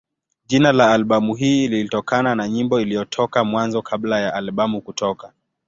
Jina la albamu hii lilitokana na nyimbo iliyotoka Mwanzo kabla ya albamu kutoka.